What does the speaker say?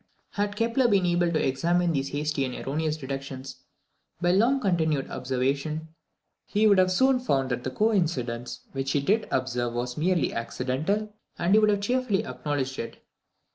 Had Kepler been able to examine these hasty and erroneous deductions by long continued observation, he would soon have found that the coincidence which he did observe was merely accidental, and he would have cheerfully acknowledged it.